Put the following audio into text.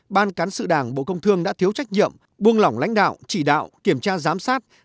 ban cán sự đảng bộ công thương đã thiếu trách nhiệm buông lỏng lãnh đạo chỉ đạo kiểm tra giám sát